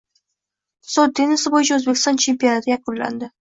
Stol tennisi bo‘yicha O‘zbekiston chempionati yakunlandi